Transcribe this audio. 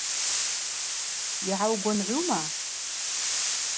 Йгӏаугвынгӏвума?